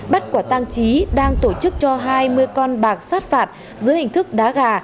bắt quả tang trí đang tổ chức cho hai mươi con bạc sát phạt dưới hình thức đá gà